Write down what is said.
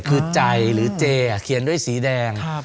คือใจหรือเจเขียนด้วยสีแดง